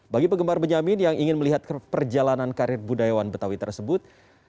bagi penggemar benyamin yang ingin melihat perjalanan karir budayawan betawi tersebut